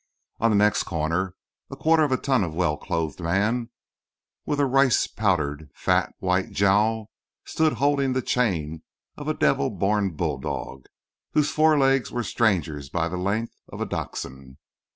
On the next corner a quarter of a ton of well clothed man with a rice powdered, fat, white jowl, stood holding the chain of a devil born bulldog whose forelegs were strangers by the length of a dachshund.